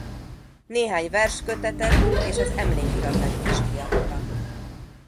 Néhány verskötetet és az emlékiratait is kiadta.